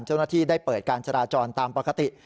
เจ้าหน้าที่ได้เปิดการจราจรตามปกติ